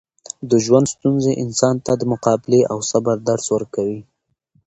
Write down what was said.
د ژوند ستونزې انسان ته د مقابلې او صبر درس ورکوي.